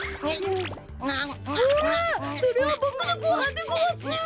うわそれはボクのごはんでごわす！